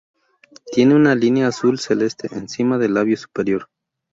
Tiene una línea azul celeste encima del labio superior.